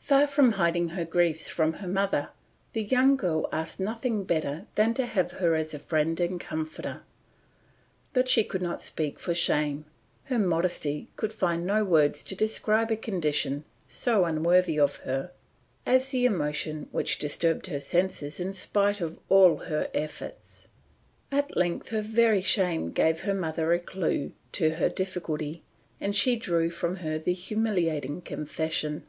Far from hiding her griefs from her mother, the young girl asked nothing better than to have her as friend and comforter; but she could not speak for shame, her modesty could find no words to describe a condition so unworthy of her, as the emotion which disturbed her senses in spite of all her efforts. At length her very shame gave her mother a clue to her difficulty, and she drew from her the humiliating confession.